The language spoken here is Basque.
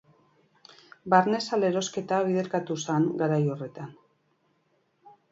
Barne salerosketa biderkatu zen garai horretan.